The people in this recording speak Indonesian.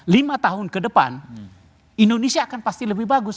lima tahun ke depan indonesia akan pasti lebih bagus